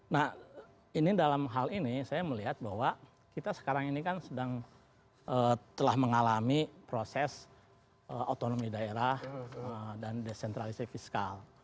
nah ini dalam hal ini saya melihat bahwa kita sekarang ini kan sedang telah mengalami proses otonomi daerah dan desentralisasi fiskal